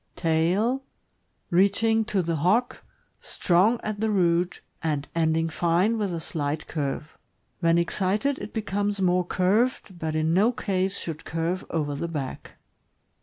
Tail. — Reaching to the hock, strong at the root, and ending fine with a slight curve. When excited, it becomes more curved, but in no case should curve over the back.